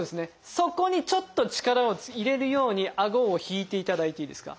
そこにちょっと力を入れるようにあごを引いていただいていいですか？